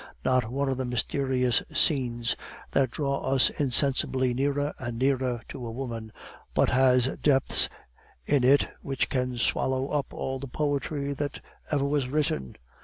Not one of the mysterious scenes that draw us insensibly nearer and nearer to a woman, but has depths in it which can swallow up all the poetry that ever was written.